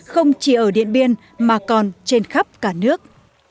không chỉ ở điện biên mà còn trên khắp cả nước